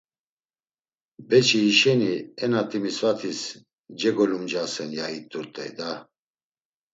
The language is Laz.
Beçi hişeni E na Timisvatis cegolumcasen, ya it̆urt̆ey da!